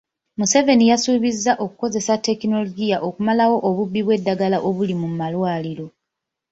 Museveni yasuubizza okukozesa tekinologiya okumalawo obubbi bw'eddagala obuli mu malwaliro